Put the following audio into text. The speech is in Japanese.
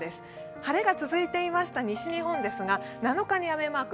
晴れが続いていました西日本ですが、７日に雨マーク。